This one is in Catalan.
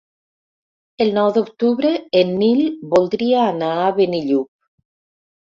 El nou d'octubre en Nil voldria anar a Benillup.